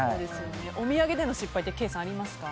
お土産での失敗ケイさんありますか？